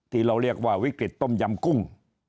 ที่เราเรียกว่าวิกฤตต้มยำกุ้ง